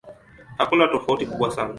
Hakuna tofauti kubwa sana.